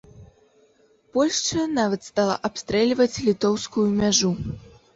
Польшча нават стала абстрэльваць літоўскую мяжу.